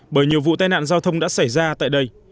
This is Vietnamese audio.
bởi nhiều vụ tai nạn giao thông đã xảy ra tại đây